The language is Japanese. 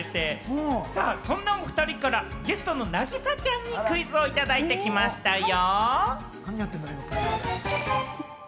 そんなおふたりからゲストの凪咲ちゃんにクイズをいただいてきましたよ。